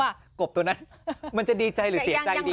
กบตัวนั้นมันจะดีใจหรือเสียใจดี